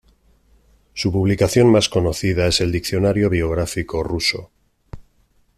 Su publicación más conocida es el Diccionario Biográfico Ruso.